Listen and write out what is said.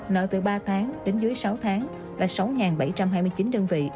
nợ từ ba tháng tính dưới sáu tháng là sáu bảy trăm hai mươi chín đơn vị